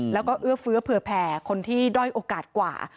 แล้วก็เอื้อเฟื้อเผื่อแผ่คนที่ด้อยโอกาสกว่า